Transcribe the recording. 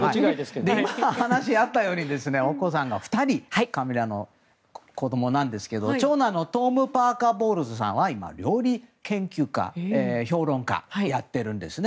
話にあったようにお子さんが２人カミラの子供なんですけど長男のトム・パーカー・ボウルズさんは今、料理評論家をやっています。